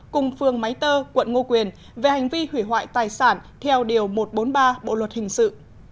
cùng phương máy tơ quận ngô quyền về hành vi hủy hoại tài sản theo điều một trăm bốn mươi ba bộ luật hình sự